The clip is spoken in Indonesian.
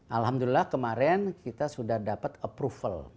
alhamdulillah kemarin kita sudah dapat approval